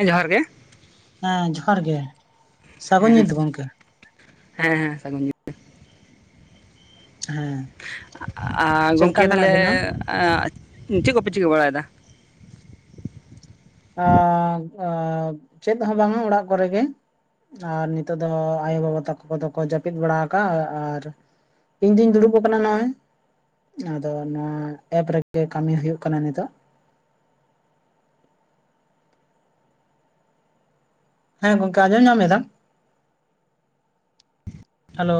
ᱦᱮᱸ ᱡᱚᱦᱟᱨ ᱜᱮ᱾ ᱦᱮᱸ ᱡᱚᱦᱟᱨ ᱜᱮ ᱥᱟᱹᱜᱩᱱ ᱦᱮᱸ ᱧᱤᱛ ᱜᱚᱝᱠᱮ ᱦᱮᱸ ᱦᱮᱸ ᱥᱟᱜᱩᱱ ᱦᱮᱸ ᱟᱨ ᱪᱮᱫ ᱞᱮᱠᱟ ᱜᱚᱢᱠᱮ ᱢᱮᱱᱟᱜ ᱛᱟᱦᱞᱮ ᱵᱤᱱᱟ? ᱪᱮᱫ ᱠᱚᱯᱮ ᱪᱤᱠᱟᱹ ᱵᱟᱲᱟᱭᱫᱟ? ᱮᱸ-ᱮᱸᱯ ᱪᱮᱫ ᱦᱚᱸ ᱵᱟᱝᱼᱟ ᱚᱲᱟᱜ ᱠᱚᱨᱮ ᱜᱮ᱾ ᱟᱨ ᱱᱤᱛᱚᱜ ᱫᱚ ᱟᱭᱳ ᱵᱟᱵᱟ ᱛᱟᱠᱚ ᱠᱚᱫᱚ ᱠᱚ ᱡᱟᱹᱯᱤᱫ ᱵᱟᱲᱟ ᱟᱠᱟᱜᱼᱟ, ᱟᱨ ᱤᱧ ᱫᱩᱧ ᱫᱩᱲᱩᱵ ᱟᱠᱟᱱᱟ ᱱᱚᱜᱼᱚᱭ᱾ ᱟᱫᱚ ᱱᱚᱣᱟ ᱮᱯ ᱨᱮᱜᱮ ᱠᱟᱹᱢᱤ ᱦᱩᱭᱩᱜᱭᱜ ᱠᱟᱱᱟ ᱱᱤᱛᱚᱜ᱾ ᱦᱮᱸ ᱜᱚᱝᱠᱮ ᱟᱡᱚᱢ ᱧᱟᱢ ᱮᱫᱟ,? Hello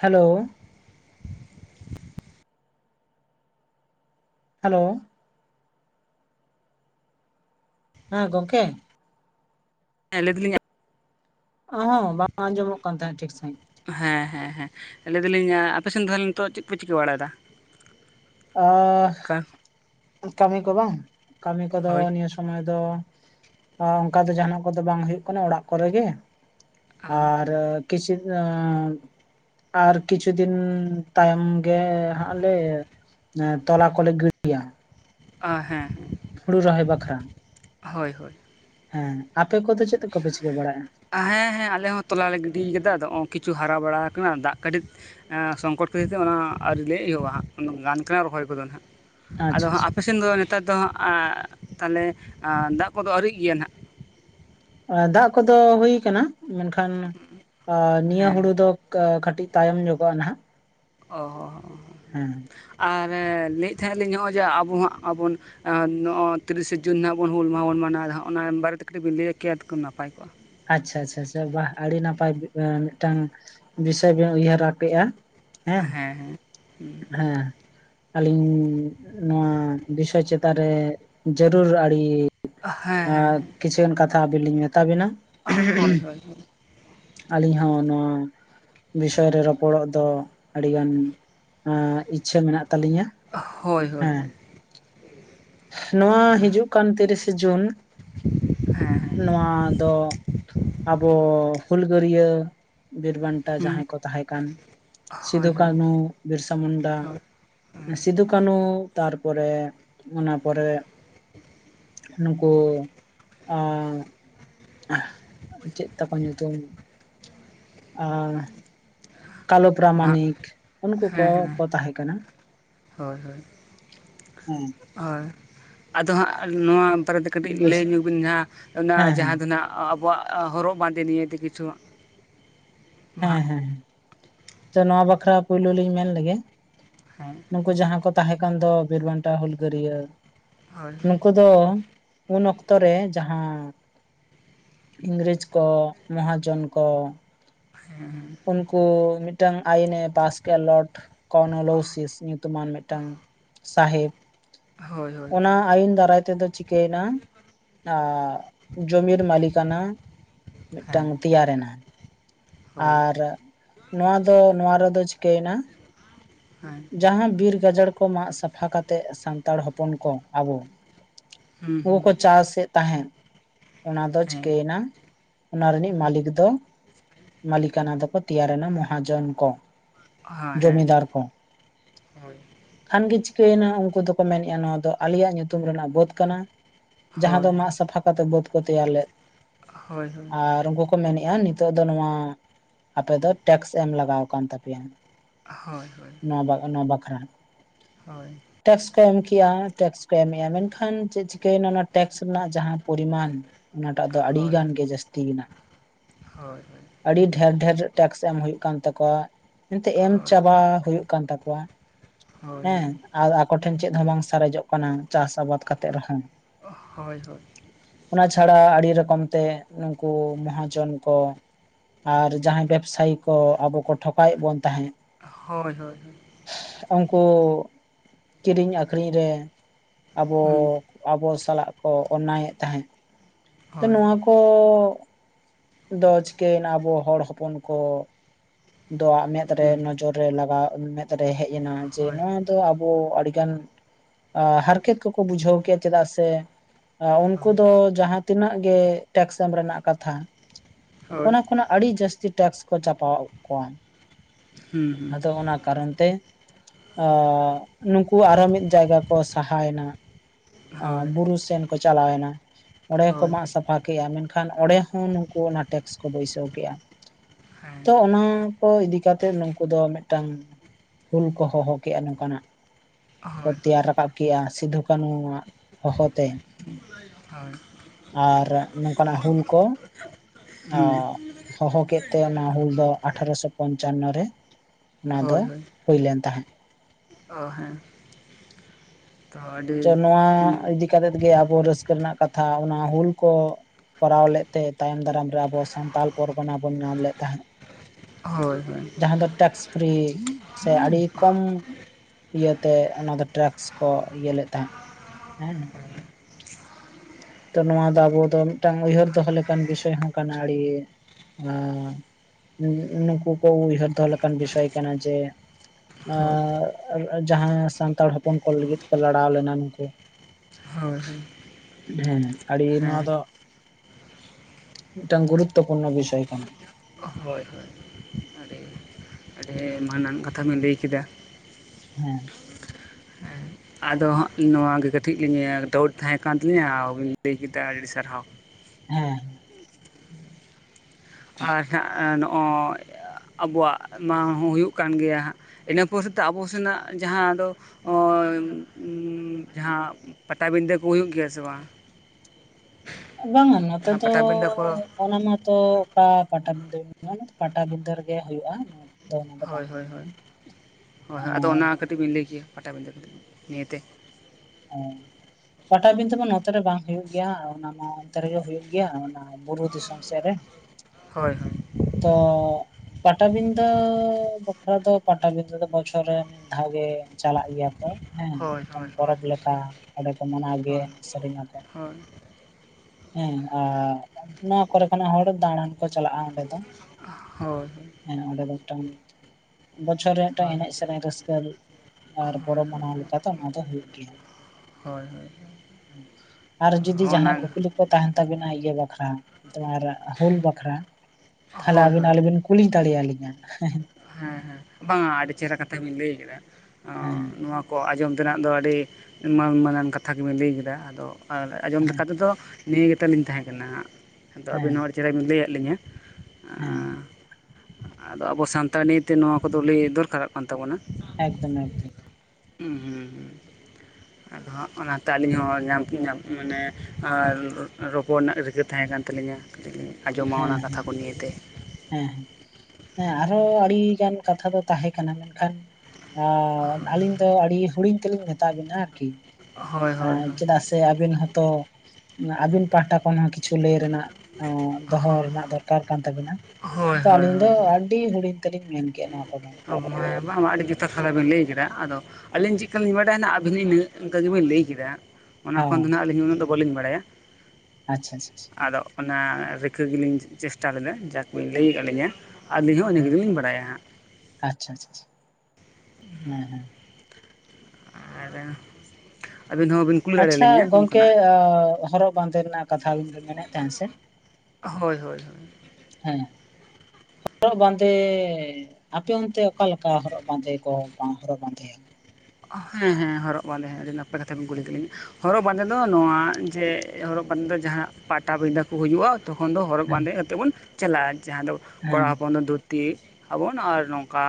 hello, hello. ᱦᱮᱸ ᱜᱚᱢᱠᱮ? ᱦᱮᱸ ᱞᱟᱹᱭ ᱫᱟᱞᱤᱧ ᱚ ᱦᱚᱸ ᱵᱟᱝ ᱟᱸᱡᱚᱢᱚᱜ ᱠᱟᱱ ᱛᱟᱦᱮᱸᱫ ᱴᱷᱤᱠ ᱥᱟᱺᱦᱤᱡ ᱦᱮᱸ ᱦᱮᱸ ᱦᱮᱸ ᱞᱟᱹᱭ ᱫᱟᱞᱤᱧ ᱟᱯᱮᱥᱮᱱ ᱫᱚ ᱱᱤᱛᱚᱜ ᱪᱮᱫ ᱯᱮ ᱪᱤᱠᱟᱹ ᱵᱟᱲᱟᱭᱮᱫᱟ ᱚᱻ ᱠᱟᱹᱢᱤ ᱠᱚ ᱵᱟᱝ ᱠᱟᱹᱢᱤ ᱠᱚᱫᱚ ᱦᱳᱭ ᱱᱤᱭᱟᱹ ᱥ ᱼᱼ ᱥᱚᱢᱚᱭ ᱫᱚ ᱚᱱᱠᱟ ᱫᱚ ᱡᱟᱦᱱᱟᱜ ᱠᱚᱫᱚ ᱵᱟᱝ ᱦᱩᱭᱩᱜ ᱠᱟᱱᱟ ᱚᱲᱟᱜ ᱠᱚᱨᱮᱜ ᱜᱮ ᱟᱨ ᱠᱤᱪᱤᱫ ᱟᱨ ᱠᱤᱪᱷᱩ ᱫᱤᱱ ᱛᱟᱭᱚᱢ ᱜᱮ ᱦᱟᱸᱜ ᱞᱮ ᱛᱚᱞᱟ ᱠᱚᱞᱮ ᱜᱤᱰᱤᱭᱟ ᱟ ᱦᱮᱸ ᱦᱩᱲᱩ ᱨᱚᱦ ᱵᱟᱠᱷᱨᱟ ᱦᱳᱭ ᱦᱳᱭ ᱦᱮᱸ ᱟᱯᱮ ᱠᱚᱫᱚ ᱪᱮᱫ ᱠᱚᱯᱮ ᱪᱤᱠᱟᱹ ᱵᱟᱲᱟᱭᱼᱟ ᱦᱮᱸ ᱦᱮᱸ ᱟᱞᱮ ᱦᱚᱸ ᱛᱚᱞᱟ ᱞᱮ ᱜᱤᱰᱤ ᱠᱟᱫᱟ ᱟ ᱱᱚᱜ ᱠᱤᱪᱷᱩ ᱦᱟᱨᱟ ᱵᱟᱲᱟ ᱟᱠᱟᱱᱟ ᱫᱟᱜ ᱠᱟᱹᱴᱤᱡ ᱮᱸ ᱥᱚᱝᱠᱚᱴ ᱠᱷᱟᱹᱛᱤᱨ ᱛᱮ ᱚᱱᱟ ᱟᱹᱣᱨᱤ ᱞᱮ ᱤᱟ. ᱳᱼᱟ ᱜᱟᱱ ᱠᱟᱱᱟ ᱨᱚᱦᱚᱭ ᱠᱚᱫᱚ ᱦᱟᱸᱜ ᱟᱫᱚ ᱟᱪᱪᱷᱟ ᱦᱟᱸᱜ ᱟᱯᱮ ᱥᱮᱱ ᱫᱚ ᱱᱮᱛᱟᱨ ᱫᱚ ᱦᱟᱸᱜ ᱛᱟᱦᱞᱮ ᱫᱟᱜ ᱠᱚᱫᱚ ᱟᱹᱣᱤᱡ ᱜᱮᱭᱟ ᱱᱟᱸᱜ ᱫᱟᱜ ᱠᱚᱫᱚ ᱦᱩ ᱟᱠᱟᱱᱟ ᱢᱮᱱᱠᱷᱟᱱ ᱱᱤᱭᱟᱹ ᱦᱮᱸ ᱦᱩᱲᱩ ᱫᱚ ᱠᱟᱹᱴᱤᱡ ᱛᱟᱭᱚᱢ ᱧᱚᱜᱚᱜᱼᱟ ᱱᱟᱦᱟᱜ ᱚ ᱦᱚ ᱦᱚ ᱦᱩᱸ ᱟᱨ ᱞᱟᱹᱭᱮᱫ ᱛᱟᱦᱮᱸᱜ ᱞᱤᱧ ᱱᱚᱜᱼᱚᱭ ᱡᱮ ᱟᱵᱚ ᱦᱟᱸᱜ ᱟᱵᱚᱱ ᱱᱚᱜᱼᱚᱭ ᱛᱤᱨᱤᱥᱮ ᱡᱩᱱ ᱱᱟᱦᱜ ᱵᱚᱱ ᱦᱩᱞ ᱢᱟᱦᱟ ᱵᱚᱱ ᱢᱟᱱᱟᱣ ᱫᱟ ᱚᱱᱟ ᱵᱟᱨᱮᱛᱮ ᱠᱟᱹᱴᱤᱡ ᱵᱤᱱ ᱞᱟᱹᱭᱟ ᱠᱮᱭᱟ ᱱᱟᱯᱟᱭ ᱠᱚᱜᱼᱟ᱾ ᱟᱪᱪᱷᱟ ᱟᱪᱪᱷᱟ ᱵᱟ ᱟᱹᱰᱤ ᱱᱟᱯᱟᱭ ᱢᱤᱫᱴᱟᱝ ᱫᱤᱥᱟ. ᱵᱤᱥᱟᱹᱭ ᱵᱮᱱ ᱩᱭᱦᱟᱹᱨᱟ ᱠᱮᱫᱼᱟ ᱦᱮᱸ ᱦᱮᱸ ᱟᱹᱞᱤᱧ ᱱᱚᱣᱟ ᱵᱤᱥᱚᱭ ᱪᱮᱛᱟᱱ ᱨᱮ ᱡᱟᱹᱨᱩᱲ ᱟᱹᱲᱤ ᱦᱩᱸ ᱦᱮᱸ ᱮ ᱦᱮᱸ ᱠᱤᱪᱷᱩᱜᱟᱱ ᱠᱟᱛᱷᱟ ᱟᱹᱵᱤᱱ ᱞᱤᱧ ᱢᱮᱛᱟ ᱵᱤᱱᱟ ᱦᱳᱭ ᱦᱳᱭ ᱟᱹᱞᱤᱧ ᱦᱚᱸ ᱱᱚᱣᱟ ᱵᱤᱥᱚᱭ ᱨᱮ ᱨᱚᱯᱚᱲᱚᱜ ᱫᱚ ᱟᱹᱰᱤ ᱜᱟᱱ ᱤᱪᱪᱷᱟᱹ ᱢᱮᱱᱟᱜ ᱛᱟᱹᱞᱤᱧᱟ ᱦᱳᱭ ᱦᱳᱭ ᱦᱮᱸ ᱦᱳᱭ ᱱᱚᱣᱟ ᱦᱤᱡᱩᱜ ᱠᱟᱱ ᱛᱤᱨᱤᱥᱮ ᱡᱩᱱ ᱦᱮᱸ ᱦᱮᱸ ᱱᱚᱣᱟ ᱫᱚ ᱟᱵᱚ ᱦᱩᱞᱜᱟᱹᱨᱭᱟᱹ ᱵᱤᱨᱵᱟᱱᱴᱟ ᱦᱩᱸ ᱡᱟᱦᱟᱸᱭ ᱠᱚ ᱛᱟᱦᱮᱸ ᱠᱟᱱ ᱦᱳᱭ ᱥᱤᱫᱩ ᱦᱳᱭ ᱠᱟᱹᱱᱩ ᱵᱤᱨᱥᱟ ᱢᱩᱱᱰᱟ ᱦᱳᱭ ᱥᱤᱫᱩ ᱠᱟᱹᱱᱩ ᱛᱟᱨᱯᱚᱨᱮ ᱚᱱᱟ ᱯᱚᱨᱮ ᱱᱩᱠᱩ ᱟᱨ ᱪᱮᱫ ᱛᱟᱠᱚ ᱧᱩᱛᱩᱢ ᱟ ᱠᱟᱞᱳ ᱢᱟ ᱯᱟᱨᱟᱢᱟᱱᱤᱠ ᱩᱱᱠᱩ ᱦᱮᱸ ᱦᱮᱸ ᱠᱚᱠᱚ ᱛᱟᱦᱮᱸ ᱠᱟᱱᱟ ᱦᱳᱭ ᱦᱳᱭ ᱦᱮᱸ ᱦᱳᱭ ᱟᱫᱚ ᱦᱟᱸᱜ ᱱᱚᱣᱟ ᱵᱟᱨᱮ ᱠᱟᱹᱴᱤᱡ ᱞᱟᱹᱭ ᱵᱮᱥ ᱧᱚᱜ ᱵᱤᱱ ᱦᱟᱸᱜ ᱚᱱᱟ ᱦᱮᱸ ᱦᱮᱸ ᱡᱟᱦᱟᱸ ᱫᱚ ᱦᱟᱸᱜ ᱟᱵᱚᱣᱟᱜ ᱦᱚᱨᱚᱜ ᱵᱟᱸᱫᱮ ᱱᱤᱭᱮ ᱛᱮ ᱠᱤᱪᱷᱩ ᱢᱟ ᱦᱮᱸ ᱦᱟᱸᱜ ᱦᱮᱸ ᱛᱚ ᱱᱚᱣᱟ ᱵᱟᱠᱷᱨᱟ ᱯᱳᱭᱞᱳ ᱞᱤᱧ ᱢᱮᱱ ᱞᱮᱜᱮ ᱦᱮᱸ ᱩᱱᱠᱩ ᱡᱟᱦᱟᱸ ᱠᱚ ᱛᱟᱦᱮᱸ ᱠᱟᱱ ᱫᱚ ᱵᱤᱨᱵᱟᱱᱴᱟ ᱦᱩᱞᱜᱟᱹᱨᱭᱟᱹ ᱦᱳᱭ ᱦᱳᱭ ᱱᱩᱠᱩ ᱫᱚ ᱩᱱ ᱚᱠᱛᱚ ᱨᱮ ᱡᱟᱦᱟᱸ ᱤᱝᱨᱮᱡᱽ ᱠᱚ ᱢᱚᱦᱟᱡᱚᱱ ᱠᱚ ᱦᱩᱸ ᱩᱱᱠᱩ ᱢᱤᱫᱴᱟᱝ ᱟᱭᱤᱱᱮ ᱯᱟᱥ ᱠᱮᱜ-ᱟ ᱞᱚᱴ ᱠᱨᱱᱳᱞᱳᱥᱤᱥ ᱧᱩᱛᱩᱢᱟᱱ ᱢᱤᱫᱴᱟᱝ ᱥᱟᱦᱮᱵᱽ ᱦᱳᱭ ᱦᱳᱭ ᱚᱱᱟ ᱟᱭᱤᱱ ᱫᱟᱨᱟᱭ ᱛᱮᱫᱚ ᱪᱤ ᱼᱼ ᱠᱮᱭ ᱱᱟ ᱡᱚᱢᱤᱨ ᱢᱟᱞᱤᱠᱟᱱᱟ ᱦᱮᱸ ᱢᱤᱫᱴᱟᱝ ᱛᱮᱭᱟᱨᱮ ᱮᱱᱟ ᱦᱳᱭ ᱟᱨ ᱱᱚᱣᱟ ᱫᱚ ᱱᱚᱣᱟ ᱫᱚ ᱪᱤᱠᱟᱹᱭᱱᱟ ᱦᱩᱸ ᱡᱟᱦᱟᱸ ᱵᱤᱨ ᱜᱟᱡᱟᱲ ᱠᱚ ᱢᱟᱜ ᱥᱟᱯᱷᱟ ᱠᱟᱛᱮᱫ ᱥᱟᱱᱛᱟᱲ ᱦᱚᱯᱚᱱ ᱠᱚ ᱟᱵᱚ ᱦᱩᱸ ᱦᱩᱲᱩ ᱦᱩᱸ ᱠᱚ ᱪᱟᱥᱮᱫ ᱛᱟᱦᱮᱸᱫ ᱚᱱᱟ ᱫᱚ ᱦᱮᱸ ᱦᱮᱸ ᱪᱤᱠᱟᱹᱭᱮᱱᱟ ᱚᱱᱟ ᱨᱤᱱᱤᱡ ᱢᱟᱞᱤᱠ ᱫᱚ ᱢᱟᱞᱤᱠᱟᱱᱟ ᱫᱚᱠᱚ ᱛᱮᱭᱟᱨ ᱮᱱᱟ ᱢᱚᱦᱟᱡᱚᱱ ᱠᱚ ᱦᱚᱸ ᱦᱮᱸ ᱡᱚᱢᱤᱫᱟᱨ ᱦᱳᱭ ᱟᱢ ᱜᱮ ᱪᱤᱠᱟᱹᱭᱮᱱᱟ ᱩᱱᱠᱩ ᱫᱚᱠᱚ ᱢᱮᱱᱮᱜᱼᱟ ᱱᱚᱣᱟ ᱫᱚ ᱟᱞᱮᱭᱟᱜ ᱧᱩᱛᱩᱢ ᱨᱮᱱᱟᱜ ᱵᱟᱹᱫᱽ ᱠᱟᱱᱟ ᱡᱟᱦᱟᱸ ᱦᱳᱭ ᱫᱚ ᱢᱟᱜ ᱥᱟᱯᱷᱟ ᱠᱟᱛᱮ ᱵᱟᱹᱫᱽ ᱠᱚ ᱛᱮᱭᱟᱨ ᱞᱮᱫ ᱦᱳᱭ ᱦᱳᱭ ᱟᱨ ᱢᱮᱱᱮᱫᱼᱟ ᱱᱤᱛᱚᱜ ᱫᱚ ᱱᱚᱣᱟ ᱟᱯᱮ ᱫᱚ ᱴᱮᱠᱥ ᱮᱢ ᱞᱟᱜᱟᱣ ᱠᱟᱱ ᱛᱟᱯᱮᱭᱟ ᱦᱳᱭ ᱦᱳᱭ ᱱᱚ ᱵᱟ ᱚᱱᱟ ᱵᱟᱠᱷᱨᱟ ᱦᱳᱭ ᱴᱮᱠᱥ ᱠᱚ ᱮᱢ ᱠᱮᱜᱼᱟ ᱴᱮᱠᱥ ᱠᱚ ᱮᱢᱮᱜᱼᱟ ᱢᱮᱱᱠᱷᱟᱱ ᱪᱮᱫ ᱪᱤᱠᱟᱹᱭᱮᱱᱟ ᱚᱱᱟ ᱴᱮᱠᱥ ᱨᱮᱱᱟᱜ ᱡᱟᱦᱟᱸ ᱯᱚᱨᱤᱢᱟᱱ ᱚᱱᱟᱴᱟᱜ ᱫᱚ ᱦᱳᱭ ᱟᱹᱰᱤᱜᱟᱱ ᱜᱮ ᱡᱟᱹᱥᱛᱤ ᱢᱮᱱᱟᱜᱼᱟ ᱦᱳᱭ ᱦᱳᱭ ᱟᱹᱰᱤ ᱰᱷᱮᱨ ᱰᱷᱮᱨ ᱴᱮᱠᱥ ᱮᱢ ᱦᱩᱭᱩᱜᱭ ᱠᱟᱱ ᱛᱟᱠᱚᱣᱟ ᱮᱱᱛᱮ ᱮᱢ ᱦᱳᱭ ᱪᱟᱵᱟ ᱦᱳᱭ ᱠᱟᱱ ᱛᱟᱠᱚᱣᱟ ᱦᱳᱭ ᱦᱳᱭ ᱦᱳᱭ ᱦᱮᱸ ᱟᱨ ᱟᱠᱚ ᱴᱷᱮᱱ ᱪᱮᱫ ᱦᱚᱸ ᱵᱟᱝ ᱥᱟᱨᱮᱡᱚᱜ ᱠᱟᱱᱟ᱾ ᱪᱟᱥ ᱟᱵᱟᱫ ᱠᱟᱛ ᱛᱮᱜ ᱨᱮᱦᱚᱸ ᱦᱩᱸ ᱚᱱᱟ ᱪᱷᱟᱲᱟ ᱟᱹᱰᱤ ᱨᱚᱠᱚᱢ ᱛᱮ ᱱᱩᱝᱠᱩ ᱢᱚᱦᱟᱡᱚᱱ ᱠᱚ ᱟᱨ ᱡᱟᱦᱟᱸᱭ ᱵᱮᱵᱥᱟᱭᱤ ᱠᱚ ᱟᱵᱚ ᱠᱚ ᱴᱷᱚᱠᱟᱭᱮᱜ ᱵᱚᱱ ᱛᱟᱦᱮᱸᱜ ᱦᱳᱭ ᱦᱳᱭ ᱦᱳᱭ ᱩᱝᱠᱩ ᱠᱤᱨᱤᱧ ᱟᱹᱠᱷᱨᱤᱧ ᱨᱮ ᱟᱵᱚ ᱟᱵᱚ ᱥᱟᱞᱟᱜ ᱠᱚ ᱚᱱᱱᱟᱭᱮᱜ ᱛᱟᱦᱮᱸᱜ᱾ ᱛᱚ ᱦᱳᱭ ᱱᱚᱣᱟ ᱠᱚ ᱫᱚ ᱪᱤᱠᱟᱹᱭᱱᱟ ᱟᱵᱚ ᱦᱚᱲ ᱦᱚᱯᱚᱱ ᱠᱚ᱾ ᱫᱚᱣᱟᱜ ᱢᱮᱫ ᱨᱮ ᱱᱚᱡᱚᱨ ᱨᱮ ᱞᱟᱜᱟᱣ ᱢᱮᱫ ᱨᱮ ᱦᱮᱡ ᱮᱱᱟ ᱡᱮ ᱦᱳᱭ ᱦᱳᱭ ᱱᱚᱣᱟ ᱛᱚ ᱟᱵᱚ ᱟᱹᱰᱤ ᱜᱟᱱ ᱦᱟᱨᱠᱮᱛ ᱠᱚ ᱠᱚ ᱵᱩᱡᱷᱟᱹᱣ ᱠᱮᱭᱟ᱾ ᱪᱮᱫᱟᱜ ᱥᱮ ᱟ ᱩᱱᱠᱩ ᱦᱩᱸ ᱫᱚ ᱡᱟᱦᱟᱸ ᱛᱤᱱᱟᱹᱜ ᱜᱮ ᱴᱮᱠᱥ ᱮᱢ ᱨᱮᱱᱟᱜ ᱠᱟᱛᱷᱟ ᱚᱱᱟ ᱠᱷᱚᱱᱟᱜ ᱟᱹᱰᱤ ᱡᱟᱹᱥᱛᱤ ᱴᱮᱠᱥ ᱠᱚ ᱪᱟᱯᱟᱣᱟᱜ ᱠᱚᱣᱟ᱾ ᱦᱩᱸ ᱟᱫᱚ ᱚᱱᱟ ᱠᱟᱨᱚᱱ ᱛᱮ ᱟ ᱱᱩᱝᱠᱩ ᱟᱨᱦᱚ ᱢᱤᱫ ᱡᱟᱭᱜᱟ ᱠᱚ ᱥᱟᱦᱟᱭᱱᱟ᱾ ᱮᱸ ᱦᱳᱭ ᱵᱩᱨᱩ ᱥᱮᱱ ᱠᱚ ᱪᱟᱞᱟᱣᱮᱱᱟ ᱚᱸᱰᱮ ᱦᱚᱸᱠᱚ ᱦᱳᱭ ᱢᱟᱜ ᱥᱟᱯᱷᱟ ᱠᱮᱭᱟ ᱢᱮᱱᱠᱷᱟᱱ ᱚᱸᱰᱮ ᱦᱚᱸ ᱱᱩᱝᱠᱩ ᱚᱱᱟ ᱴᱮᱠᱥ ᱠᱚ ᱵᱟᱹᱭᱥᱟᱹᱣ ᱠᱮᱜᱼᱟ᱾ ᱦᱮᱸ ᱛᱚ ᱚᱱᱟ ᱠᱚ ᱤᱫᱤ ᱠᱟᱛᱮᱜ ᱱᱩᱝᱠᱩ ᱫᱚ ᱢᱤᱫᱴᱟᱝ ᱦᱩᱞ ᱠᱚ ᱦᱚᱦᱚ ᱠᱮᱜᱼᱟ ᱱᱚᱝᱠᱟᱱᱟᱜ ᱠᱚ ᱦᱳᱭ ᱦᱳᱭ ᱛᱮᱭᱟᱨ ᱨᱟᱠᱟᱵ ᱠᱮᱜᱼᱟ ᱥᱤᱫᱩ ᱠᱟᱹᱱᱦᱩ ᱣᱟᱜ ᱦᱚᱦᱚ ᱛᱮ ᱦᱳᱭ ᱟᱨ ᱱᱚᱝᱠᱟᱱᱟᱜ ᱦᱩᱞ ᱠᱚ ᱦᱩᱸ ᱚ ᱦᱚᱦᱚ ᱠᱮᱫ ᱛᱮ ᱚᱱᱟ ᱦᱩᱞ ᱫᱚ ᱟᱴᱷᱨᱚᱥᱚ ᱯᱚᱧᱪᱟᱱᱱᱚ ᱨᱮ᱾ ᱚᱱᱟ ᱫᱚ ᱦᱳᱭ ᱦᱳᱭ ᱦᱩᱭ ᱞᱮᱱ ᱛᱟᱦᱮᱸᱜ ᱚ ᱦᱮᱸ ᱛᱚ ᱟᱹᱰᱤ ᱡᱮ ᱱᱚᱣᱟ ᱤᱫᱤ ᱠᱟᱛᱮᱫ ᱜᱮ ᱟᱵᱚ ᱨᱟᱹᱥᱠᱟᱹ ᱨᱮᱱᱟᱜ ᱠᱟᱛᱷᱟ ᱚᱱᱟ ᱦᱩᱞ ᱠᱚ ᱠᱚᱨᱟᱣ ᱞᱮᱫ ᱛᱮ ᱛᱟᱭᱚᱢ ᱫᱟᱨᱟᱢ ᱨᱮ ᱟᱵᱚ ᱥᱟᱱᱛᱟᱞ ᱯᱚᱨᱜᱚᱱᱟ ᱵᱚᱱ ᱧᱟᱢ ᱞᱮᱫ ᱛᱟᱦᱮᱸᱫ᱾ ᱦᱳᱭ ᱦᱳᱭ ᱡᱟᱦᱟᱸ ᱫᱚ ᱴᱮᱠᱥ ᱯᱷᱨᱤ ᱥᱮ ᱟᱹᱰᱤ ᱠᱚᱢ ᱤᱭᱟᱹᱛᱮ ᱚᱱᱟ ᱫᱚ ᱴᱨᱟᱠᱥ ᱠᱚ ᱤᱭᱟᱹ ᱞᱮᱫ ᱛᱟᱦᱮᱸᱫ ᱦᱮᱸ᱾ ᱛᱚ ᱱᱚᱣᱟ ᱫᱚ ᱟᱵᱚ ᱫᱚ ᱢᱤᱫᱴᱟᱝ ᱩᱭᱦᱟᱹᱨ ᱫᱚᱦᱚ ᱞᱮᱠᱟᱱ ᱵᱤᱥᱚᱭ ᱦᱚᱸ ᱠᱟᱱᱟ ᱟᱹᱰᱤ ᱮᱸ ᱱᱩᱜ ᱱᱩᱠᱩ ᱠᱚ ᱩᱭᱦᱟᱹᱨ ᱫᱚᱦᱚ ᱞᱮᱠᱟᱱ ᱵᱤᱥᱚᱭ ᱠᱟᱱᱟ ᱡᱮ ᱦᱳᱭ ᱮᱸ ᱡᱟᱦᱟᱸ ᱥᱟᱱᱛᱟᱲ ᱦᱚᱯᱚᱱ ᱠᱚ ᱞᱟᱹᱜᱤᱫ ᱠᱚ ᱞᱟᱲᱟᱣ ᱞᱮᱱᱟ ᱱᱩᱠᱩ᱾ ᱦᱳᱭ ᱦᱳᱭ ᱦᱮᱸ ᱟᱰᱤ ᱱᱚᱣᱟ ᱦᱮᱸ ᱫᱚ ᱢᱤᱫᱴᱟᱝ ᱜᱩᱨᱩᱛᱛᱚᱯᱩᱨᱱᱚ ᱵᱤᱥᱚᱭ ᱠᱟᱱᱟ᱾ ᱦᱚᱭ ᱦᱚᱭ᱾ ᱦᱮᱸ ᱢᱟᱱᱟᱱ ᱠᱟᱛᱷᱟ ᱵᱤᱱ ᱞᱟᱹᱭ ᱠᱮᱫᱟ᱾ ᱦᱮᱸ᱾ ᱟᱫᱚ ᱦᱟᱸᱜ ᱤᱧ ᱱᱚᱶᱟ ᱜᱮ ᱠᱟᱹᱴᱤᱡ ᱞᱤᱧ ᱰᱟᱹᱣᱩᱴ ᱛᱟᱦᱮᱸ ᱠᱟᱱ ᱛᱟᱹᱞᱤᱧᱟ ᱟᱵᱮᱱ ᱞᱟᱹᱭ ᱠᱮᱫᱟ ᱟᱹᱰᱤ ᱥᱟᱨᱦᱟᱣ᱾ ᱦᱮᱸ᱾ ᱟᱨ ᱦᱟᱸᱜ ᱱᱚᱸᱜ-ᱚᱭ ᱟᱵᱚᱣᱟᱜ ᱢᱟ ᱦᱚᱸ ᱦᱩᱭᱩᱜ ᱠᱟᱱ ᱜᱮᱭᱟ ᱦᱟᱸᱜ᱾ ᱤᱱᱟᱹ ᱯᱚᱥᱮ ᱛᱮ ᱟᱵᱚ ᱥᱮᱱᱟᱜ ᱡᱟᱦᱟᱸ ᱫᱚ ᱚᱸ ᱩᱸᱢ ᱡᱟᱦᱟᱸᱼᱼ ᱯᱟᱴᱟ ᱵᱤᱸᱫᱟᱹ ᱠᱚ ᱦᱩᱭᱩᱜ ᱜᱮᱭᱟ ᱥᱮ ᱵᱟᱝ? ᱵᱟᱝᱟ ᱱᱚᱛᱮ ᱚᱱᱟ ᱫᱚ᱾ ᱯᱟᱴᱟᱵᱤᱸᱫᱟᱹ ᱠᱚ ᱚᱱᱟ ᱢᱟᱛᱚ ᱚᱠᱟ ᱯᱟᱴᱟ ᱵᱤᱸᱫᱟᱹ ᱱᱟ ᱯᱟᱴᱟ ᱵᱤᱸᱫᱟᱹ ᱨᱮᱜᱮ ᱦᱩᱭᱩᱜ-ᱟ᱾ ᱦᱚᱭ ᱦᱚᱭ ᱦᱚᱭ ᱦᱚᱭ ᱟᱫᱚ ᱚᱱᱟ ᱠᱟᱹᱴᱤᱡ ᱵᱤᱱ ᱞᱟᱹᱭ ᱠᱤᱭᱟ ᱯᱟᱴᱟ ᱵᱤᱱᱫᱟᱹ ᱠᱟᱹᱴᱤᱡ ᱱᱤᱭᱟᱹᱛᱮ? ᱚᱸ ᱯᱟᱴᱟ ᱵᱤᱱᱫᱟᱹ ᱢᱟ ᱱᱚᱛᱮ ᱨᱮ ᱵᱟᱝ ᱦᱩᱭᱩᱜ ᱜᱮᱭᱟ ᱚᱱᱟ ᱢᱟ ᱚᱱᱛᱮ ᱨᱮᱜᱮ ᱦᱩᱭᱩᱜ ᱜᱮᱭᱟ ᱚᱱᱟᱼᱼ ᱵᱩᱨᱩ ᱫᱤᱥᱚᱢ ᱥᱮᱜ ᱨᱮ᱾ ᱦᱳᱭ ᱦᱳᱭ᱾ ᱛᱚ ᱯᱟᱴᱟ ᱵᱤᱱᱫᱟᱹ ᱵᱟᱠᱷᱨᱟ ᱫᱚ ᱯᱟᱴᱟ ᱵᱤᱱᱫᱟᱹ ᱫᱚ ᱵᱚᱪᱷᱚᱨ ᱨᱮ ᱼᱼ ᱢᱤᱫ ᱫᱷᱟᱣ ᱜᱮ ᱪᱟᱞᱟᱜ ᱜᱮᱭᱟ ᱠᱚ᱾ ᱦᱮᱸ ᱦᱳᱭ ᱢᱤᱫᱴᱟᱝ ᱦᱳᱭ ᱦᱳᱭ ᱯᱚᱨᱚᱵᱽ ᱦᱳᱭ ᱞᱮᱠᱟ ᱚᱸᱰᱮ ᱠᱚ ᱢᱟᱱᱟᱣ ᱦᱳᱭ ᱜᱮᱭᱟ ᱮᱱᱮᱡ ᱥᱮᱨᱮᱧᱟ ᱠᱚ᱾ [inaudible] ᱦᱳᱭ ᱦᱮᱸ ᱟᱨ ᱱᱚᱶᱟ ᱠᱚᱨᱮ ᱠᱷᱚᱱᱟᱜ ᱦᱚᱲ ᱫᱟᱬᱟᱱ ᱠᱚ ᱪᱟᱞᱟᱜ-ᱟ ᱚᱸᱰᱮ ᱫᱚ᱾ ᱦᱚᱭ ᱦᱚᱭ᱾ ᱦᱮᱸ ᱚᱱᱰᱮ ᱫᱚ ᱢᱤᱫᱴᱟᱝ᱾ ᱵᱚᱪᱷᱚᱨ ᱨᱮ ᱢᱤᱫᱴᱟᱝ ᱦᱳᱭ ᱮᱱᱮᱡ ᱥᱮᱨᱮᱧ ᱨᱟᱹᱥᱠᱟᱹᱞ ᱟᱨ ᱯᱚᱨᱚᱵᱽ ᱢᱟᱱᱟᱣ ᱞᱮᱠᱟ ᱛᱮ ᱚᱱᱟ ᱫᱚ ᱦᱩᱭᱩᱜ ᱜᱮᱭᱟ᱾ [inaudible] ᱦᱚᱭ᱾ [inaudible] ᱦᱩᱸ᱾ ᱟᱨ ᱡᱩᱫᱤ ᱡᱟᱦᱟᱸ ᱚᱱᱟ ᱠᱩᱠᱞᱤ ᱠᱚ ᱛᱟᱦᱮᱱ ᱛᱟᱹᱵᱤᱱᱟ ᱤᱭᱟᱹ ᱵᱟᱠᱷᱨᱟ ᱛᱚ ᱟᱨ ᱦᱩᱞ ᱵᱟᱠᱷᱨᱟᱼᱼ ᱛᱷᱟᱦᱚᱞᱮ ᱦᱳᱭ ᱟᱵᱤᱱ ᱦᱳᱭ ᱟᱞᱤᱧ ᱵᱤᱱ ᱠᱩᱞᱤ ᱫᱟᱲᱮ ᱭᱟᱞᱤᱧᱟ, ᱦᱮᱸ ᱦᱮᱸ? ᱦᱮᱸ ᱦᱮᱸ᱾ ᱵᱟᱝᱟ ᱟᱰᱤ ᱪᱮᱦᱨᱟ ᱠᱟᱛᱷᱟ ᱜᱮ ᱵᱤᱱ ᱞᱟᱹᱭ ᱠᱟᱫᱟ᱾ ᱦᱮᱸ᱾ ᱱᱚᱣᱟ ᱠᱚ ᱟᱸᱡᱚᱢ ᱛᱮᱱᱟᱜ ᱫᱚ ᱟᱹᱰᱤ ᱢᱟᱹᱱ ᱢᱟᱱᱟᱱ ᱠᱟᱛᱷᱟ ᱜᱮ ᱵᱤᱱ ᱞᱟᱹᱭ ᱠᱮᱫᱟ ᱟᱫᱚᱼᱼ ᱟᱨ ᱟᱸᱡᱚᱢ ᱦᱮᱸ ᱞᱮᱠᱟ ᱛᱮᱫᱚ ᱱᱤᱭᱟᱹ ᱜᱮᱛᱟ ᱞᱤᱧ ᱛᱟᱦᱮᱸ ᱠᱟᱱᱟ ᱦᱟᱸᱜ ᱟᱫᱚ ᱦᱮᱸ ᱟᱹᱵᱤᱱ ᱦᱚᱸ ᱟᱰᱤ ᱪᱮᱦᱨᱟ ᱵᱤᱱ ᱞᱟᱹᱭᱟᱫ ᱞᱤᱧᱟ᱾ᱹ ᱦᱮᱸ᱾ ᱟᱫᱚ ᱟᱵᱚ ᱥᱟᱱᱛᱟᱲ ᱱᱤᱭᱟᱹ ᱛᱮ ᱱᱚᱣᱟ ᱠᱚᱫᱚ ᱞᱟᱹᱭ ᱫᱚᱨᱠᱟᱨᱚᱜ ᱠᱟᱱ ᱛᱟᱵᱚᱱᱟ᱾ ᱮᱠᱫᱚᱢ ᱮᱠᱫᱚᱢ᱾ ᱩ ᱸᱦᱩᱸ ᱦᱩᱸᱜ᱾ ᱚᱸᱜ ᱚᱱᱟᱛᱮ ᱟᱞᱤᱧ ᱦᱚᱸ ᱧᱟᱢ ᱠᱤ ᱧᱟᱢ‌ ᱢᱟᱱᱮ ᱟᱨ ᱨᱚ ᱨᱚᱯᱚᱲ ᱨᱮᱱᱟᱜ ᱨᱤᱠᱟᱹ ᱛᱟᱦᱮᱸ ᱠᱟᱱ ᱛᱟᱹᱞᱤᱧᱟ᱾ ᱠᱟᱹᱴᱤᱡ ᱞᱤᱧ [inaudible] ᱟᱸᱡᱚᱢᱟ ᱚᱱᱟ ᱠᱟᱛᱷᱟ ᱠᱚ ᱱᱤᱭᱟᱹ ᱛᱮ᱾ ᱦᱮᱸ, ᱦᱮᱸ ᱟᱨᱚ ᱟᱲᱤᱜᱟᱱ ᱠᱟᱛᱷᱟ ᱫᱚ ᱛᱟᱦᱮᱸ ᱠᱟᱱᱟ ᱢᱮᱱᱠᱷᱟᱱᱼᱼ ᱟᱨ ᱹᱞᱤᱧ ᱫᱚ ᱟᱲᱤ ᱦᱩᱰᱤᱧ ᱛᱮᱞᱤᱧ ᱢᱮᱛᱟᱜ ᱵᱤᱱᱟ ᱟᱨᱠᱤ᱾ ᱦᱳᱭ ᱟ ᱦᱳᱭ ᱪᱮᱫᱟᱜ ᱥᱮ ᱟᱵᱤᱱ ᱦᱚᱸᱛᱚᱼᱼ ᱱᱟ ᱟᱵᱤᱱ ᱯᱟᱦᱴᱟ ᱠᱷᱚᱱ ᱦᱚᱸ ᱠᱤᱪᱷᱩ ᱞᱟᱹᱭ ᱨᱮᱱᱟᱜ ᱚᱸᱼᱼ ᱫᱚᱦᱚ ᱦᱳᱭ ᱨᱮᱱᱟᱜ ᱫᱚᱨᱠᱟᱨ ᱠᱟᱱ ᱛᱟᱵᱤᱱᱟ, ᱦᱳᱭ ᱛᱚ ᱟᱹᱞᱤᱧ ᱫᱚ ᱦᱳᱭ ᱟᱹᱰᱤ ᱦᱩᱰᱤᱧ ᱛᱮᱞᱤᱧ ᱢᱮᱱᱠᱮᱜᱼᱟ ᱱᱚᱣᱟ ᱠᱚᱫᱚ᱾ ᱵᱟᱵᱟ ᱟᱹᱰᱤ ᱡᱩᱛᱟᱹᱛ ᱠᱷᱞᱟ ᱵᱮᱤᱱ ᱞᱟᱹᱭ ᱠᱮᱫᱟ, ᱟᱫᱚ ᱟᱹᱞᱤᱧ ᱪᱤᱜ ᱠᱟ ᱞᱤᱧ ᱵᱟᱰᱟᱭᱟ ᱱᱟᱜ ᱟᱵᱤᱱ ᱱᱤ ᱱᱟᱹᱜ ᱚᱱᱠᱟ ᱜᱮᱵᱤᱱ ᱞᱟᱹᱭ ᱠᱮᱫᱟ᱾ ᱚᱱᱟ ᱚ ᱠᱷᱚᱱ ᱫᱚ ᱱᱟᱦᱟᱸᱜ ᱟᱹᱞᱤᱧ ᱩᱱᱟᱹᱜ ᱫᱚ ᱵᱟᱹᱞᱤᱧ ᱵᱟᱲᱟᱭᱟ᱾ ᱟᱪᱪᱷᱟ ᱪᱷᱟ ᱪᱷᱟ ᱾ ᱟᱫᱚ ᱚᱱᱟ ᱨᱤᱠᱟᱹ ᱜᱤᱞᱤᱧ ᱪᱮᱥᱴᱟ ᱞᱮᱫᱟ ᱡᱟ ᱠᱩᱵᱤᱱ ᱞᱟᱹᱭᱟᱜ ᱞᱤᱧᱟᱹ᱾ ᱟᱞᱤᱧ ᱦᱚᱸ ᱤᱱᱟᱹ ᱜᱤᱞᱤᱞᱤᱧ ᱵᱟᱲᱟᱭᱟ ᱦᱟᱸᱜ᱾ ᱟᱪᱪᱷᱟ ᱟᱪᱷᱟᱪᱷᱟ ᱦᱮᱸ ᱦᱮᱸ᱾ ᱟᱨᱚ᱾ ᱟᱵᱤᱱ ᱦᱚᱸᱵᱤᱱᱼᱼ ᱟᱪᱪᱷᱟ ᱜᱚᱝᱠᱮ ᱚ ᱦᱚᱨᱚᱜ ᱵᱟᱸᱫᱮ ᱨᱮᱱᱟᱜ ᱠᱟᱛᱷᱟ ᱟᱵᱤᱱ ᱢᱮᱱᱮᱫ ᱛᱮᱦᱮᱸᱜ ᱥᱮ? ᱦᱳᱭ ᱦᱳᱭ ᱦᱳᱭ᱾ ᱦᱮᱸ᱾ ᱦᱚᱨᱚᱜ ᱵᱟᱸᱫᱮ ᱟᱯᱮ ᱚᱱᱛᱮ ᱚᱠᱟᱞᱮᱠᱟ ᱦᱚᱨᱚᱜ ᱵᱟᱸᱫᱮ ᱠᱚ ᱵᱟᱝ ᱦᱚᱨᱚᱜ ᱵᱟᱸᱫᱮᱭᱟ ᱦᱮᱸ ᱦᱮᱸ ᱦᱚᱨᱚᱜ ᱵᱟᱞᱮᱸ ᱟᱹᱰᱤ ᱱᱟᱯᱟᱭ ᱠᱟᱛᱷᱟᱢ ᱠᱩᱞᱤ ᱠᱮᱫᱟᱞᱤᱧ ᱦᱚᱨᱚᱜ ᱵᱟᱸᱫᱮ ᱫᱚ ᱱᱚᱣᱟ ᱡᱮ ᱦᱚᱨᱚᱜ ᱵᱟᱸᱫᱮ ᱫᱚ ᱡᱟᱦᱟᱸ ᱯᱟᱴᱟᱵᱤᱸᱫᱟᱹ ᱠᱚ ᱦᱩᱭᱩᱜ-ᱟ᱾ ᱛᱚᱠᱷᱚᱱ ᱫᱚ ᱦᱚᱨᱚᱜ ᱦᱮᱸ ᱵᱟᱸᱫᱮ ᱠᱟᱛᱮᱫ ᱵᱚᱱ ᱪᱟᱞᱟᱜ-ᱟ, ᱡᱟᱦᱟᱸ ᱫᱚ ᱦᱮᱸ ᱠᱚᱲᱟ ᱦᱚᱯᱚᱱ ᱫᱚ ᱫᱩ ᱛᱤ ᱟᱵᱚᱱ ᱟᱨ ᱱᱚᱝᱠᱟ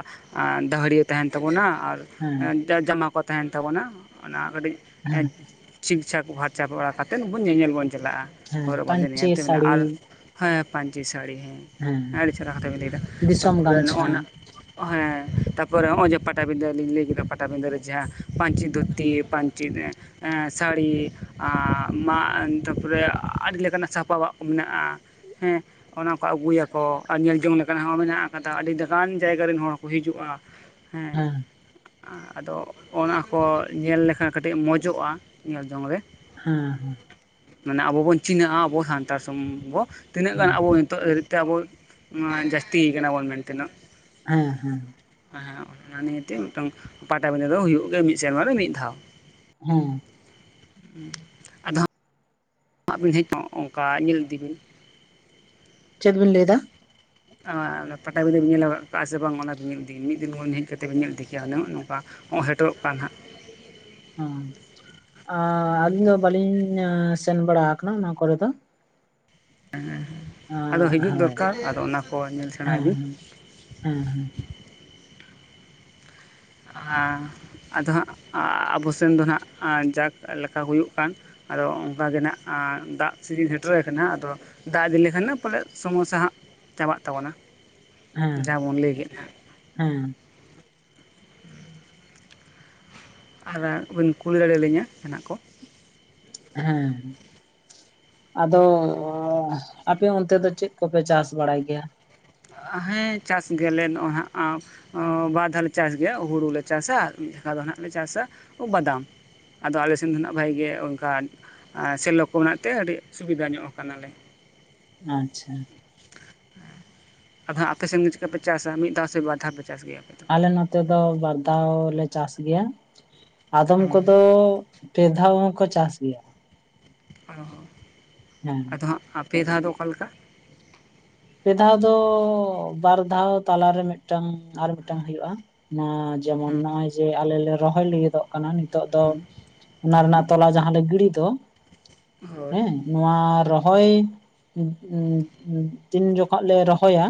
ᱫᱟᱹᱦᱲᱤᱭᱟᱹ ᱛᱟᱦᱮᱱ ᱛᱟᱵᱚᱱᱟ, ᱟᱨ ᱦᱮᱸ ᱡᱟ ᱡᱟᱢᱟ ᱠᱚ ᱛᱟᱦᱮᱱ ᱛᱟᱵᱚᱱᱟ ᱚᱱᱟ ᱠᱟᱹᱴᱤᱡ ᱦᱮᱸ ᱥᱤᱠᱪᱷᱟ ᱠᱚ ᱯᱷᱟᱨᱪᱟ ᱵᱟᱲᱟᱛᱮᱫ ᱧᱮᱧᱮᱞ ᱵᱚᱱ ᱪᱟᱞᱟᱜ-ᱟ, ᱦᱮᱸ ᱦᱚᱨᱚᱜ ᱵᱟᱸᱫᱮ ᱯᱟᱹᱧᱪᱤ ᱱᱮᱛ ᱢᱮᱱᱟᱜ-ᱟ, ᱥᱟᱹᱲᱤ ᱟᱨ ᱦᱮᱸ ᱯᱟᱹᱧᱪᱤ ᱥᱟᱹᱲᱤ ᱦᱮᱸ ᱟᱹᱰᱤ ᱪᱮᱦᱨᱟ ᱦᱟᱛᱟᱣᱤᱧ ᱞᱟᱹᱭᱮᱫᱟ ᱫᱤᱥᱚᱢ ᱛᱟᱨᱯᱚᱨᱮ ᱜᱟᱢᱪᱷᱟ ᱱᱚᱜᱚ ᱱᱟ ᱦᱮᱸ ᱛᱟᱯᱚᱨ ᱱᱚᱜ ᱚᱭᱮ ᱯᱟᱴᱟᱵᱤᱫᱟᱹᱞᱤᱤᱧ ᱞᱟᱹᱭ ᱠᱮᱫᱟ᱾ ᱯᱟᱴᱟᱵᱤᱸᱫᱟᱹ ᱨᱮ ᱡᱟᱦᱟᱸ ᱯᱟᱱᱹᱪᱤ ᱫᱷᱩᱛᱤ ᱯᱟᱹᱱᱪᱤ ᱥᱟᱹᱲᱤ ᱟᱸ ᱢᱟᱜ ᱛᱟᱨᱯᱚᱨᱮ ᱟᱹᱰᱤ ᱞᱮᱠᱟᱱᱟᱜ ᱥᱟᱯᱟ-ᱟᱜ ᱠᱚ ᱢᱮᱱᱟᱜ-ᱟ᱾ ᱦᱮᱸ᱾ ᱚᱱᱟ ᱠᱚ ᱟᱹᱜᱩᱭᱟᱠᱚ ᱟᱨ ᱧᱮᱞ ᱡᱚᱝ ᱞᱮᱠᱟᱱᱟᱜ ᱦᱚᱸ ᱢᱮᱱᱟᱜ ᱠᱟᱫᱟ ᱟᱹᱰᱤᱠᱟᱱ ᱡᱟᱭᱜᱟ ᱨᱮᱱ ᱦᱚᱲ ᱠᱚ ᱦᱤᱡᱩᱜ-ᱟ᱾ ᱦᱮᱸ᱾ ᱟᱫᱚ ᱚᱱᱟ ᱠᱚ ᱧᱮᱞ ᱞᱮᱠᱷᱟᱱ ᱠᱟᱹᱴᱤᱡ ᱢᱚᱡᱚᱜ-ᱟ ᱧᱮᱞ ᱡᱚᱝ ᱨᱮ᱾ ᱦᱩᱸ ᱦᱩ ᱸ ᱢᱟᱱᱮ ᱟᱵᱚ ᱵᱚᱱ ᱪᱤᱱᱦᱟᱹᱜ-ᱟ ᱟᱵᱚ ᱥᱟᱱᱛᱟᱲ ᱥᱚᱢ ᱵᱚ ᱛᱤᱱᱟᱹᱜ ᱜᱟᱱ ᱦᱮᱸ ᱟᱵᱚ ᱱᱤᱛᱚᱜ ᱦᱟᱹᱨᱤᱡ ᱛᱮ ᱟᱵᱚ ᱡᱟᱹᱥᱛᱤ ᱠᱟᱱᱟ ᱵᱚᱱ ᱢᱮᱱᱛᱮ ᱱᱚᱜ, ᱦᱮᱸ ᱦᱮᱸ᱾ ᱦᱮᱸ ᱦᱮᱸ ᱚᱱᱟ ᱱᱤᱭᱮᱛᱮ ᱢᱤᱫᱴᱟᱝ ᱯᱟᱴᱟᱵᱸᱫᱟᱹ ᱫᱚ ᱦᱩᱭᱩᱜ ᱜᱮᱭᱟ ᱢᱤᱫ ᱥᱮᱨᱢᱟ ᱨᱮ ᱢᱤᱫ ᱫᱷᱟᱣ ᱦᱩᱸ᱾ [inaudible] ᱟᱫᱚ ᱮᱢᱟᱜ ᱵᱤᱱ ᱦᱮᱡᱤᱛᱚᱜ ᱚᱱᱠᱟ ᱧᱮᱞ ᱤᱫᱤ ᱵᱤᱱ᱾ ᱪᱫᱵᱤᱱ ᱞᱟᱭ ᱫᱟ? ᱯᱟᱴᱟᱵᱤᱫᱟᱹ ᱵᱚᱱ ᱧᱮᱞ ᱟᱠᱟᱫ ᱠᱟᱜᱼᱟ ᱥᱮ ᱵᱟᱝ ᱚᱱᱟᱵ ᱧᱮᱞ ᱤᱫᱤᱮᱭᱟ ᱢᱤᱫ ᱫᱤᱱ ᱠᱷᱚᱱ ᱦᱮᱡ ᱠᱟᱛᱮᱵᱚᱱ ᱧᱮᱞ ᱤᱫᱤ ᱠᱮᱭᱟ ᱩᱱᱟᱹᱜ ᱱᱚᱝᱠᱟ ᱱᱚ ᱦᱮᱴᱮᱨᱚᱜ ᱠᱟᱱ ᱦᱟᱸᱜ᱾ ᱦᱮᱸ ᱟᱻ ᱟᱹᱞᱤᱧ ᱫᱚ ᱵᱟᱹᱞᱤᱧ ᱥᱮᱱ ᱵᱟᱲᱟ ᱟᱠᱟᱱᱟ ᱚᱱᱟ ᱠᱚᱨᱮ ᱫᱚ᱾ ᱦᱮᱸ ᱦᱮᱸ ᱟᱫᱚ ᱦᱤᱡᱩᱜ ᱦᱳᱭ ᱫᱚᱨᱠᱟᱨ ᱟᱫᱚ ᱚᱱᱟ ᱠᱚ ᱧᱮᱞ ᱥᱮᱬᱟᱭ ᱦᱮᱸ ᱵᱤᱱ᱾ ᱦᱮᱸ ᱦᱮᱸ᱾ ᱟᱫᱚ ᱦᱟᱸᱜ ᱟᱵᱚ ᱥᱮᱱ ᱫᱚ ᱦᱟᱸᱜ ᱡᱟᱠ ᱞᱮᱠᱟ ᱦᱩᱭᱩᱜ ᱠᱟᱱ ᱟᱫᱚ ᱚᱱᱠᱟ ᱜᱮ ᱦᱟᱸᱱᱟᱜ ᱫᱟᱜ ᱥᱤᱡᱤᱱ ᱥᱮᱴᱮᱨ ᱠᱟᱱᱟ ᱟᱫᱚ ᱫᱟᱜ ᱤᱫᱤ ᱞᱮᱠᱷᱟᱱ ᱯᱟᱞᱮ ᱥᱚᱢᱚᱥᱥᱟ ᱦᱟᱸᱟᱜ ᱪᱟᱵᱟᱜ ᱛᱟᱵᱚᱱᱟ, ᱡᱟᱦᱟᱸ ᱵᱚᱱ ᱞᱟᱹᱭ ᱠᱮᱫ ᱦᱟᱸ᱾ ᱦᱩᱸ᱾ ᱟᱫᱚ ᱵᱤᱱ ᱠᱩᱞᱤ ᱫᱟᱲᱮᱭᱟᱞᱤᱧᱟ ᱡᱟᱸᱦᱟᱱᱟᱜ ᱠᱚ᱾ ᱦᱮᱸ ᱟᱫᱚ ᱟᱯᱮ ᱚᱱᱛᱮ ᱫᱚ ᱪᱮᱫ ᱠᱚᱯᱮ ᱪᱟᱥ ᱵᱟᱲᱟᱭ ᱜᱮᱭᱟᱹ ᱦᱮᱸ ᱪᱟᱥ ᱜᱮᱭᱟᱞᱮ ᱱᱚᱜᱼᱚᱭ ᱦᱟᱸᱜ ᱟ ᱵᱟᱨ ᱫᱷᱟᱣᱞᱮ ᱪᱟᱥ ᱜᱮᱭᱟ ᱦᱩᱲᱩ ᱞᱮ ᱪᱟᱥᱟ ᱟᱨ ᱢᱤᱫ ᱫᱷᱟᱠᱟ ᱫᱚ ᱦᱚᱸᱜ ᱞᱮ ᱪᱟᱥᱟ ᱵᱟᱫᱟᱢ, ᱟᱫᱚ ᱟᱞᱮᱥᱮᱱ ᱫᱚ ᱱᱟᱜ ᱵᱷᱟᱜ ᱜᱮ ᱚᱱᱠᱟ ᱥᱮᱞᱳ ᱠᱚ ᱢᱮᱱᱟᱜ ᱛᱮ ᱟᱹᱰᱤ ᱥᱩᱵᱤᱫᱟ ᱧᱚᱜ ᱟᱠᱟᱱᱟᱞᱮ᱾ ᱟᱪᱷᱟ᱾ ᱟᱵᱮ ᱟᱯᱮ ᱥᱮᱱ ᱜᱮ ᱪᱤᱫᱞᱮᱠᱟᱯᱮ ᱪᱟᱥᱟ ᱢᱤᱫ ᱫᱷᱟᱣ ᱥᱮ ᱵᱟᱨ ᱫᱷᱟᱣ ᱯᱮ ᱪᱟᱥ ᱜᱮᱭᱟᱯᱮ ᱟᱞᱮ ᱱᱚᱛᱮ ᱫᱚ ᱵᱟᱨ ᱫᱷᱟᱣ ᱞᱮ ᱪᱟᱥ ᱜᱮᱭᱟ, ᱟᱫᱚᱢ ᱦᱮᱸ ᱠᱚᱫᱚ ᱯᱮ ᱫᱷᱟᱣ ᱦᱚᱸᱠᱚ ᱪᱟᱥ ᱜᱮᱭᱟ᱾ ᱚ ᱦᱮᱸ᱾ ᱟᱫᱚ ᱦᱟᱸᱜ ᱟᱯᱮ ᱫᱷᱟᱣ ᱫᱚ ᱚᱠᱟᱞᱮᱠᱟ? ᱯᱮ ᱫᱷᱟᱣ ᱫᱚ ᱵᱟᱨ ᱫᱷᱟᱣ ᱛᱟᱞᱟᱨᱮ ᱢᱤᱫᱴᱟᱝ ᱟᱨ ᱢᱤᱫᱴᱟᱝ ᱦᱩᱭᱩᱜ-ᱟ, ᱚᱱᱟ ᱡᱮᱢᱚᱱ ᱦᱮᱸ ᱱᱚᱜ-ᱚᱭ ᱡᱮ ᱟᱞᱮᱞᱮ ᱞᱮ ᱨᱚᱦᱚᱭ ᱞᱟᱹᱜᱤᱫᱚᱜ ᱠᱟᱱᱟ᱾ ᱱᱤᱛᱚᱜ ᱫᱚ ᱦᱮᱸ ᱚᱱᱟ ᱚᱱᱟᱜᱮ ᱨᱮᱱᱟᱜ ᱛᱚᱞᱟ ᱡᱟᱦᱟᱸᱞᱮ ᱜᱤᱲ ᱫᱚ, ᱦᱳᱭ ᱦᱮᱸ ᱱᱚᱣᱟ ᱨᱚᱦᱚᱭ ᱛᱤᱱ ᱡᱚᱠᱷᱚᱱ ᱞᱮ ᱨᱚᱦᱚᱭᱟ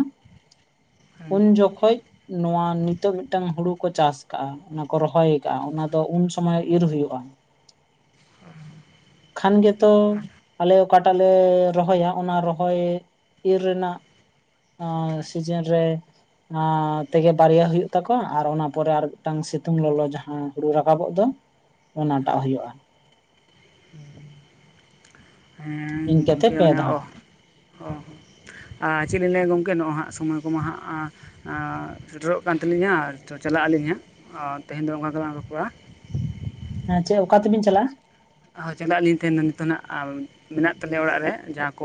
ᱦᱮᱸ ᱩᱱ ᱡᱚᱠᱷᱚᱱ ᱱᱚᱣᱟ ᱱᱤᱛᱚᱜ ᱢᱤᱫᱴᱟᱝ ᱦᱩᱲᱩ ᱠᱚ ᱪᱟᱥ ᱠᱟᱜᱼᱟ ᱚᱱᱟᱠᱚ ᱨᱚᱦᱚᱭ ᱠᱟᱜᱼᱟ ᱚᱱᱟ ᱫᱚ ᱩᱱ ᱥᱚᱢᱚᱭ [unintelligible] ᱦᱩᱭᱩᱜᱼᱟ᱾ [inaudible] ᱠᱷᱟᱱ ᱜᱮᱛᱚ ᱟᱞᱮ ᱚᱠᱟᱴᱟᱜ ᱞᱮ ᱨᱚᱦᱚᱭᱟ ᱚᱱᱟ ᱨᱚᱦᱚᱭ ᱤᱨ ᱨᱮᱱᱟᱜ ᱟᱻᱸ ᱥᱤᱡᱹᱱ ᱨᱮ ᱟᱻ ᱛᱮᱜᱮ ᱵᱟᱨᱭᱟ ᱦᱩᱭᱩᱜ ᱛᱟᱠᱚᱣᱟ ᱟᱨ ᱚᱱᱟ ᱯᱚᱨᱮ ᱟᱨ ᱢᱤᱫᱴᱟᱝ ᱥᱤᱛᱩᱝ ᱞᱚᱞᱚ ᱡᱟᱦᱟᱸ ᱦᱩᱲᱩ ᱨᱟᱠᱟᱵᱚᱜ ᱫᱚ ᱚᱱᱟᱴᱟᱜ ᱦᱩᱭᱩᱜᱼᱟ, ᱦᱮᱸ ᱤᱱᱠᱟᱹᱛᱮ ᱜᱚᱝᱠᱮ ᱯᱮ ᱚᱱᱮ ᱚ ᱫᱷᱟᱣ ᱦᱚᱸ [unintelligible] ᱟᱨ ᱪᱮᱫ ᱞᱤᱧ ᱞᱟᱹᱭᱟ ᱜᱚᱝᱠᱮ ᱱᱚᱜᱼᱚᱭ ᱦᱟᱸᱜ ᱥᱚᱢᱚᱭ ᱠᱚᱢᱟ ᱦᱟᱸᱜ ᱥᱮᱴᱮᱨᱚᱜ ᱠᱟᱱ ᱛᱟᱹᱞᱤᱧᱟ ᱟᱨ ᱪᱟᱞᱟᱜ ᱟᱹᱞᱤᱧ ᱦᱟᱸᱜ ᱟᱨ ᱛᱮᱦᱮᱧ ᱫᱚ ᱚᱱᱠᱟ ᱜᱮᱞᱟᱝ ᱨᱚᱯᱚᱲᱟ, ᱦᱮᱸ ᱪᱮᱫ ᱚᱠᱟ ᱛᱮᱵᱤᱱ ᱪᱟᱞᱟᱜᱼᱟᱹ ᱦᱳᱭ ᱪᱟᱞᱟᱜ ᱟᱞᱤᱧ ᱛᱟᱦᱮᱱ ᱫᱚ ᱱᱤᱛᱚᱜ ᱦᱟᱹᱜ ᱢᱮᱱᱟᱜ ᱛᱟᱞᱮᱭᱟ ᱚᱲᱟᱜ ᱨᱮ ᱡᱟᱦᱟᱸ ᱠᱚ